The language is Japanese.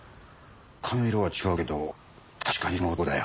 髪の色は違うけど確かにこの男だよ。